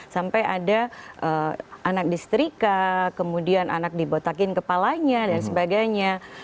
sampai ada anak disetrika kemudian anak dibotakin kepalanya dan sebagainya